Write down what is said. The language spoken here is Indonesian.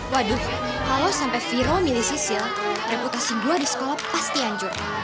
waduh kalo sampe viro milih sisil reputasi gue di sekolah pasti anjur